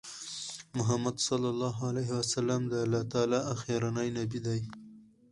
محمد صلی الله عليه وسلم د الله تعالی آخرنی نبی دی